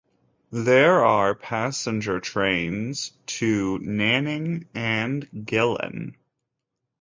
There are passenger trains to Nanning and Guilin.